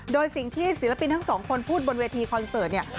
โดยสิ่งที่ศิลปินทั้งสองคนพูดบนเวทีคอนเสิร์ตเนี่ย